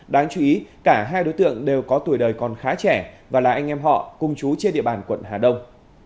đáng chú ý cả hai đối tượng đều có tuổi đời còn khá trẻ và là anh em họ cùng chú trên địa bàn quận hà đông